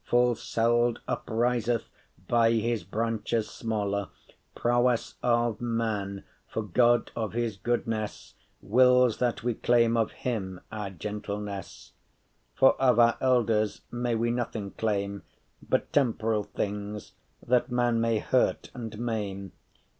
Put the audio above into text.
*kind of ‘Full seld’* upriseth by his branches smale *seldom Prowess of man, for God of his goodness Wills that we claim of him our gentleness;’ <12> For of our elders may we nothing claim But temp’ral things that man may hurt and maim.